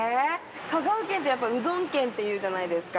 香川県ってうどん県っていうじゃないですか。